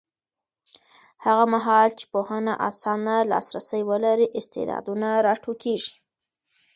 هغه مهال چې پوهنه اسانه لاسرسی ولري، استعدادونه راټوکېږي.